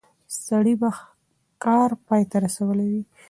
سړی به کار پای ته رسولی وي.